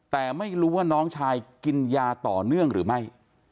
แต่ไม่รู้ว่าน้องชายกินยาต่อเนื่องหรือไม่